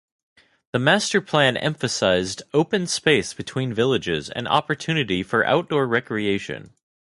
The master plan emphasized open space between villages and opportunity for outdoor recreation.